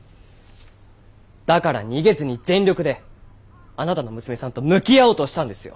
だから逃げずに全力であなたの娘さんと向き合おうとしたんですよ！